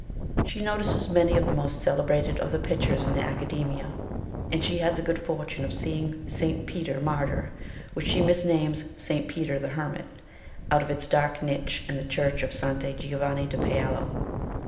" She notices many of the most celebrated of the ITALY REVISITED. 227 pictures in the Academia ; and she had the good for tune of seeing St. Peter Martyr, which she misnames St. Peter the Hermit, out of its dark niche in the Church of Santi Giovanni e Paolo.